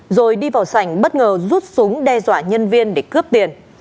rồi đi vào sảnh bất ngờ rút súng đe dọa nhân viên để cướp tiền